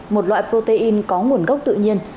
một loại protein có nguồn gốc tự nhiên